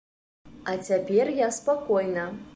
А цяпер я спакойна.